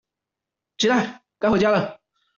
起來，該回家了